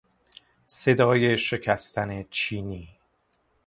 صدای شکستن چینی